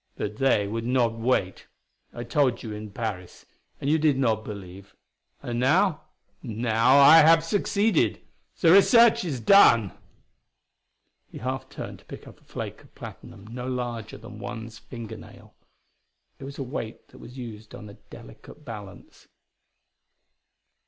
But they would not wait. I told you in Paris, and you did not believe. And now now I have succeeded! the research is done!" He half turned to pick up a flake of platinum no larger than one's finger nail; it was a weight that was used on a delicate balance.